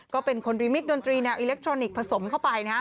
ก็เป็นคนรีมิกดนตรีแนวอิเล็กทรอนิกส์ผสมเข้าไปนะ